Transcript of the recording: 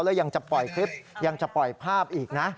แล้วยังจะปล่อยคลิปยังจะปล่อยภาพอีกนะ